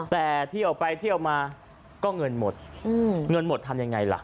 แต่เที่ยวไปเที่ยวมาก็เงินหมดเงินหมดทำยังไงล่ะ